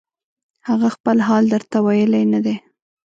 هغه خپل حال درته ویلی نه دی